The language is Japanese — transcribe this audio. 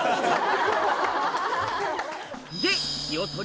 で！